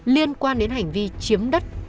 liên quan đến hành vi chiếm đất